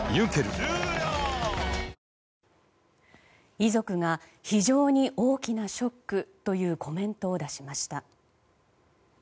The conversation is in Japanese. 遺族が非常に大きなショックというコメントを出しました。